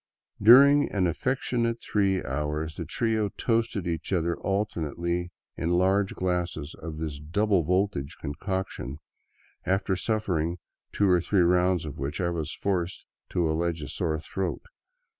During an affectionate three hours the trio toasted each other alternately in large glasses of this double voltage concoction, after suffering two or three rounds of which I was forced to allege a sore throat.